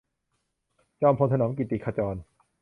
จอมพลถนอม กิตติขจร